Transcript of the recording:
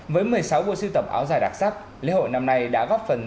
với một mươi sáu vua sưu tập áo dài đặc sắc lễ hội năm nay đã góp phần giới thiệu các danh làm